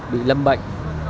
bị lâm bệnh